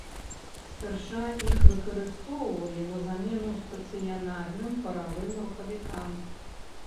Спярша іх выкарыстоўвалі на замену стацыянарным паравым рухавікам.